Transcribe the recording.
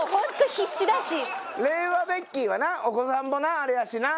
令和ベッキーはなお子さんもなあれやしな。